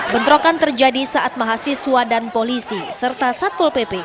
bentrokan terjadi saat mahasiswa dan polisi serta satpol pp